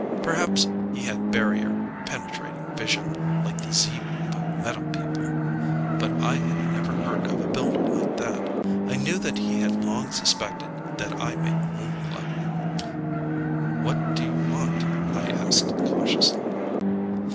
Perhaps he had barrier penetrating vision, like the Z group of metal people ... but I had never heard of a Builder like that. I knew that he had long suspected that I made Moon Glow. "What do you want?" I asked cautiously.